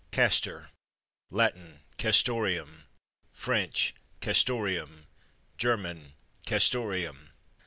CASTOR. Latin—Castoreum; French—Castoreum; German—Castoreum.